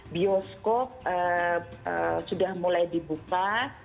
bioskop sudah mulai dibuka